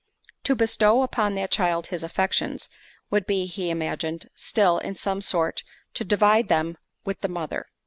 To bestow upon that child his affections, would be, he imagined, still, in some sort, to divide them with the mother.